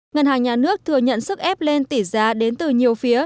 ngân hàng nhà nước thừa nhận sức ép lên tỷ giá đến từ nhiều phía